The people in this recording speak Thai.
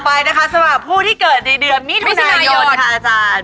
ต่อไปนะคะสวัสดีค่ะผู้ที่เกิดในเดือนมิดุนายน